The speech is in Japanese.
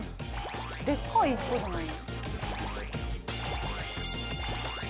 でっかい１個じゃないの？